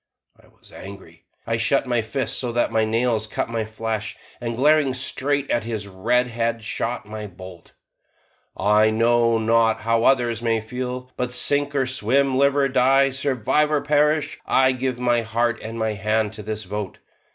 I was angry. I shut my fists so that the nails cut my flesh, and glaring straight at his red head shot my bolt: "I know not how others may feel, but sink or swim, live or die, survive or perish, I give my heart and my hand to this vote.